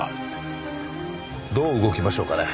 どう動きましょうかね？